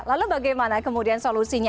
lalu bagaimana kemudian solusinya